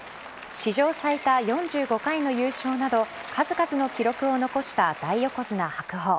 史上最多４５回の優勝など数々の記録を残した大横綱・白鵬。